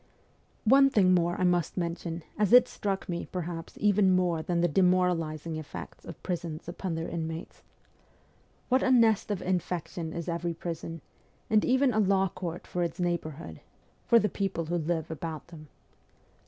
One thing more I must mention as it struck me, perhaps, even more than the demoralising effects of prisons upon their inmates. What a nest of infection is every prison, and even a law court for its neighbour hood for the people who live about them.